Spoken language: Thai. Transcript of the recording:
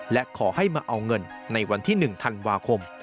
และขอให้มาเอาเงินในวันที่๑ธันวาคม